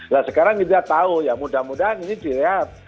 nah sekarang kita tahu ya mudah mudahan ini dilihat